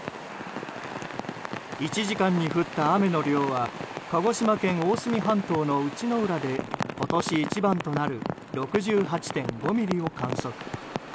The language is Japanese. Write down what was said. １時間に降った雨の量は鹿児島県大隅半島の内之浦で今年一番となる６８．５ミリを観測。